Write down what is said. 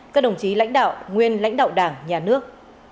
các đồng chí lãnh đạo nguyên lãnh đạo đảng nhà nước